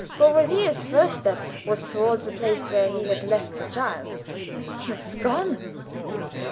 Courvoisier's first step was toward the place where he had left the child. He was gone.